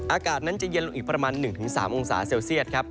อากาศนั้นจะเย็นลงอีกประมาณ๑๓องศาเซลเซียตครับ